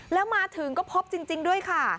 แล้วมาถึงก็พบจริงด้วยค่ะ